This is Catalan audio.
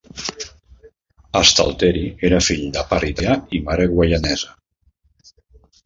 Stalteri era fill de pare italià i mare guaianesa.